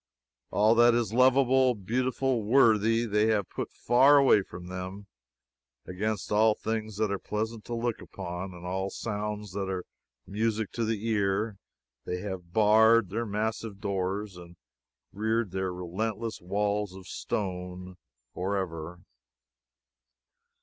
All that is lovable, beautiful, worthy, they have put far away from them; against all things that are pleasant to look upon, and all sounds that are music to the ear, they have barred their massive doors and reared their relentless walls of stone forever.